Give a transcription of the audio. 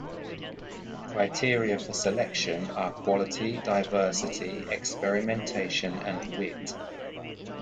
The criteria for selection are quality, diversity, experimentation and wit.